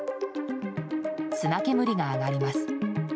砂煙が上がります。